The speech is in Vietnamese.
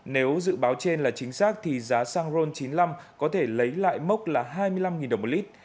nếu dự báo trên là chính xác thì giá xăng ron chín mươi năm có thể lấy lại mốc là hai mươi năm đồng một lít